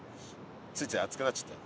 ついつい熱くなっちゃった。